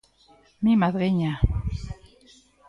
Mi madriña!